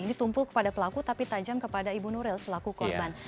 ini tumpul kepada pelaku tapi tajam kepada ibu nuril selaku korban